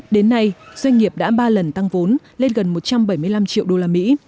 đến nay doanh nghiệp đã ba lần tăng vốn lên gần một trăm bảy mươi năm triệu đô la mỹ